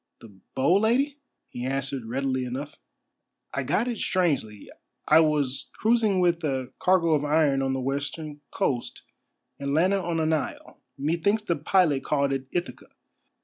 "The bow, Lady?" he answered readily enough. "I got it strangely. I was cruising with a cargo of iron on the western coast and landed on an isle, methinks the pilot called it Ithaca.